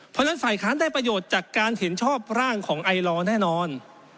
เพราะฉะนั้นฝ่ายค้านได้ประโยชน์จากการเห็นชอบร่างของไอลอร์แน่นอน